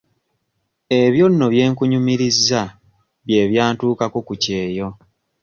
Ebyo nno bye nkunyumirizza bye byantuukako ku kyeyo.